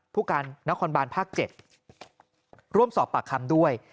ผู้การนครบานภาค๗ร่วมสอบปากคำด้วย